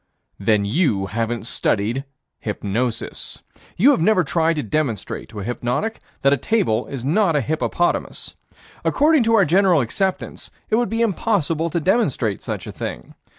Then you haven't studied hypnosis. You have never tried to demonstrate to a hypnotic that a table is not a hippopotamus. According to our general acceptance, it would be impossible to demonstrate such a thing.